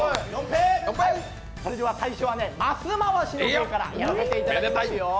それでは、最初は、ます回しからいかせていただきます。